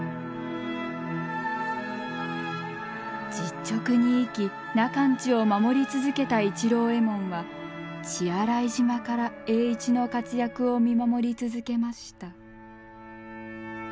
実直に生き中の家を守り続けた市郎右衛門は血洗島から栄一の活躍を見守り続けました。